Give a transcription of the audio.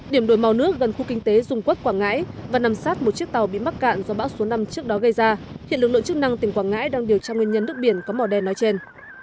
điểm đổi màu nước gần khu kinh tế dung quốc quảng ngãi và nằm sát một chiếc tàu bị mắc cạn do bão số năm trước đó gây ra hiện lực lượng chức năng tỉnh quảng ngãi đang điều tra nguyên nhân nước biển có màu đen nói trên